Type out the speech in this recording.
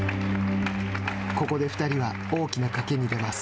ここで２人は大きなかけに出ます。